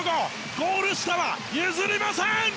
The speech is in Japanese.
ゴール下は譲りません！